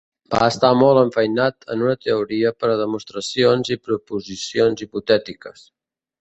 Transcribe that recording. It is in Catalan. Va estar molt enfeinat en una teoria per a demostracions i proposicions hipotètiques.